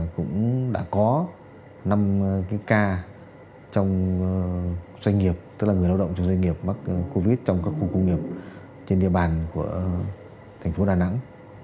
cũng đã có năm ca trong doanh nghiệp tức là người lao động trong doanh nghiệp mắc covid trong các khu công nghiệp trên địa bàn của thành phố đà nẵng